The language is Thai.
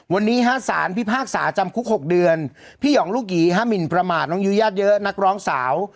วันนี้ฮะสารพิพากษาจำคุก๖เดือนพี่หองลูกหยีห้ามหมินประมาทน้องยุ้ยญาติเยอะนักร้องสาว